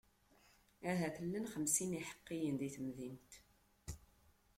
Ahat llan xemsin n iḥeqqiyen di temdint.